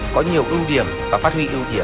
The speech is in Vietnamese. có nhiều ưu điểm và phát huy